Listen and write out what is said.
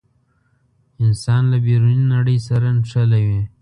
انسان له بیروني نړۍ سره نښلوي.